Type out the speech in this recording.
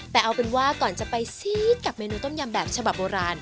แต่เอาเป็นว่าก่อนจะไปซีดกับเมนูต้มยำแบบฉบับโบราณ